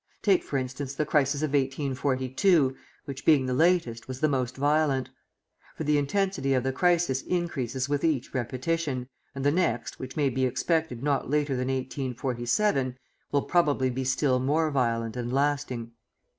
Take, for instance, the crisis of 1842, which, being the latest, was the most violent; for the intensity of the crisis increases with each repetition, and the next, which may be expected not later than 1847, will probably be still more violent and lasting.